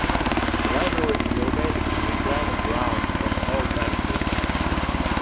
The library is located on reclaimed ground from an old landfill.